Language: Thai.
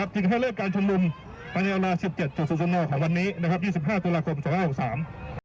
จึงให้เลิกการชุมนุมปัญญาณราศ๑๗๙๙ของวันนี้๒๕ตุลาคม๒๖๖๓